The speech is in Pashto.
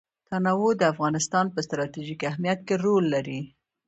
تنوع د افغانستان په ستراتیژیک اهمیت کې رول لري.